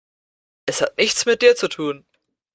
Es hat nichts mit dir zu tun.